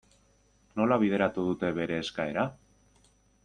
Nola bideratu dute bere eskaera?